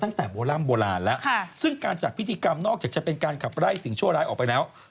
ตั้งแต่โบร่ำโบราณแล้วซึ่งการจัดพิธีกรรมนอกจากจะเป็นการขับไล่สิ่งชั่วร้ายออกไปแล้ว